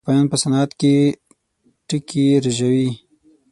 اروپايان په صنعت کې ټکي رژوي.